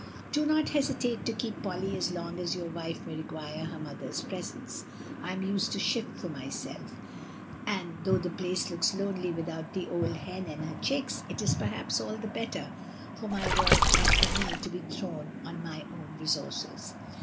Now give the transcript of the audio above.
"Do not hesitate to keep Polly as long as your wife may require her mother's presence. I am used to shift for myself, and though the place looks lonely without the old hen and her diicks, it is perhaps all the better for my work and for me to be thrown on my own resources.